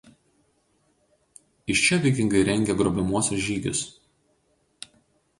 Iš čia vikingai rengė grobiamuosius žygius.